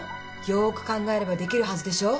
よく考えればできるはずでしょ。